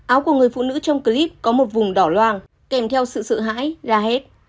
áo của người phụ nữ trong clip có một vùng đỏ loàng kèm theo sự sự hãi ra hết